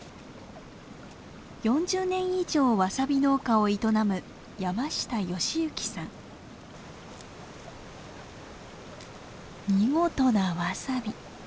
４０年以上ワサビ農家を営む見事なワサビ。